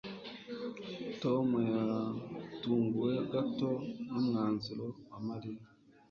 Tom yatunguwe gato numwanzuro wa Mariya.